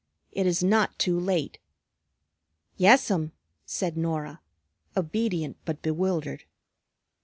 It is not too late." "Yes'm," said Norah, obedient but bewildered.